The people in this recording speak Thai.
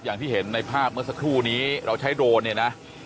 อย่างที่เห็นในภาพเมื่อสักครู่นี้เราใช้โดรนเนี่ยนะ